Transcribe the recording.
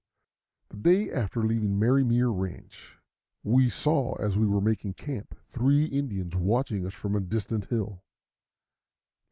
The day after leaving Marymere ranch, we saw, as we were making camp, three Indians watching us from a distant hill.